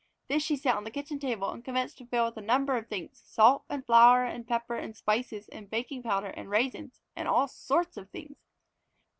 This she set on the kitchen table and commenced to fill with any number of things: salt and pepper and flour and spices and baking powder and raisins, and all sorts of things.